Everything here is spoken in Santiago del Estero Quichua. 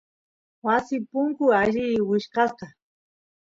wasi punku alli wichkasq